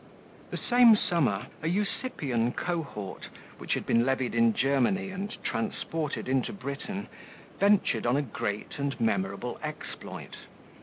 28 The same summer a Usipian cohort, which had been levied in Germany and transported into Britain, ventured on a great and memorable exploit.